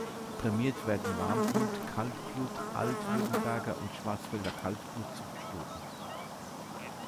Prämiert werden Warmblut-, Kaltblut-, Alt-Württemberger- und Schwarzwälder Kaltblut-Zuchtstuten.